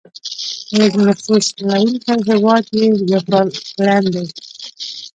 لیږ نفوس لرونکی هیواد یې وفالکلند دی.